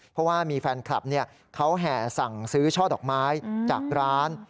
เพราะว่ามีแฟนคลับเขาแห่สั่งซื้อช่อดอกไม้จากร้าน